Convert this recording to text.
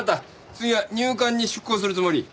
次は入管に出向するつもり？